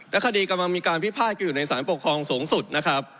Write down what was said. คดีกำลังมีการพิพาทกันอยู่ในสารปกครองสูงสุดนะครับ